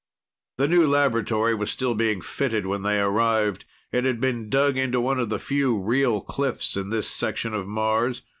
The new laboratory was still being fitted when they arrived. It had been dug into one of the few real cliffs in this section of Mars.